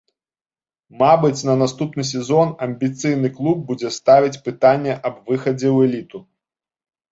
Мабыць, на наступны сезон амбіцыйны клуб будзе ставіць пытанне аб выхадзе ў эліту.